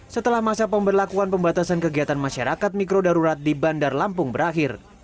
setelah masa pemberlakuan pembatasan kegiatan masyarakat mikro darurat di bandar lampung berakhir